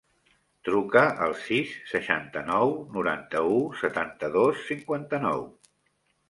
Truca al sis, seixanta-nou, noranta-u, setanta-dos, cinquanta-nou.